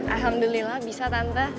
alhamdulillah bisa tante